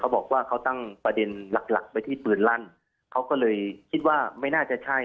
บอกว่าเขาตั้งประเด็นหลักหลักไปที่ปืนลั่นเขาก็เลยคิดว่าไม่น่าจะใช่